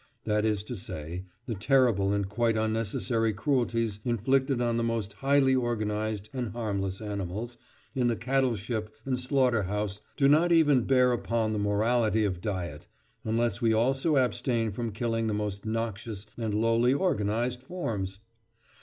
That is to say, the terrible and quite unnecessary cruelties inflicted on the most highly organised and harmless animals in the cattle ship and slaughter house do not even "bear upon" the morality of diet, unless we also abstain from killing the most noxious and lowly organised forms!